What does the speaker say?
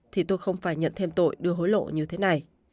thì tôi không phải nhận thêm tội đưa hối lộ như thế này